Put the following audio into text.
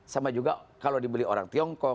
sama juga kalau dibeli orang tiongkok